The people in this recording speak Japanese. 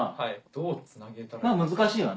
どうつなげたらいいか。